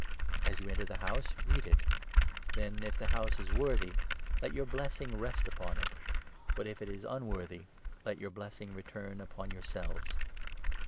As you enter the house, greet it. Then, 12, 13 if the house is worthy, let your blessing rest upon it, but, if it is unworthy, let your blessing return upon yourselves.